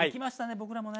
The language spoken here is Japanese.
僕らもね。